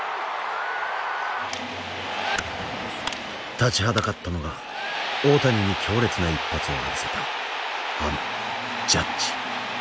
立ちはだかったのが大谷に強烈な一発を浴びせたあのジャッジ。